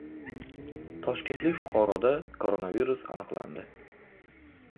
Toshkentlik fuqaroda koronavirus aniqlandi